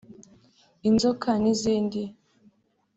inzoka n’izindi